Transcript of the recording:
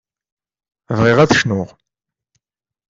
Bɣiɣ ad cnuɣ.